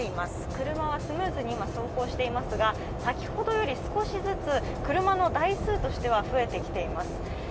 車はスムーズに今、走行していますが、先ほどより少しずつ車の台数としては増えてきています。